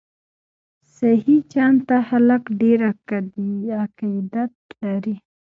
سخي جان ته خلک ډیر عقیدت لري.